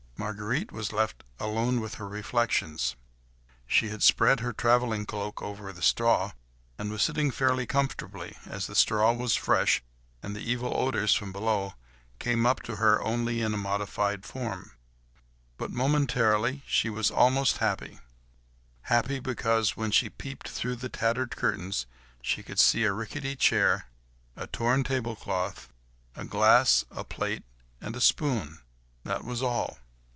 Marguerite was left alone with her reflections. She had spread her travelling cloak over the straw, and was sitting fairly comfortably, as the straw was fresh, and the evil odours from below came up to her only in a modified form. But, momentarily, she was almost happy; happy because, when she peeped through the tattered curtains, she could see a rickety chair, a torn table cloth, a glass, a plate and a spoon; that was all.